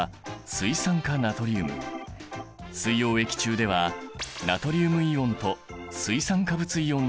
水溶液中ではナトリウムイオンと水酸化物イオンに電離する。